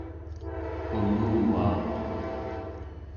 unguvauq